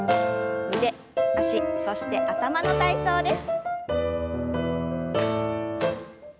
腕脚そして頭の体操です。